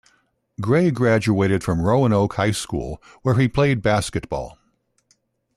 Gray graduated from Roanoke High School, where he played basketball.